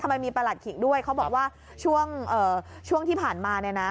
ทำไมมีประหลัดขีกด้วยเขาบอกว่าช่วงที่ผ่านมา